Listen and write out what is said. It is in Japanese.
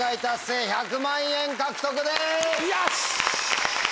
よし！